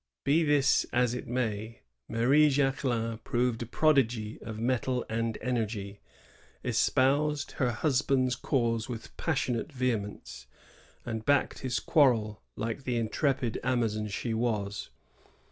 Be this as it may, Marie Jacquelin proved a prodigy of mettle and energy, espoused her husband's cause with passionate vehemence, and backed his quarrel like the intrepid Amazon she was.